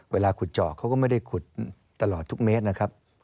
เวลาขุดเจาะเขาก็ไม่ได้ขุดตลอดทุกเมตรนะครับ